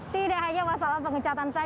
tidak hanya masalah pengecatan